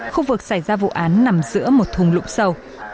khu vực xảy ra vụ án nằm giữa một thùng lũng sâu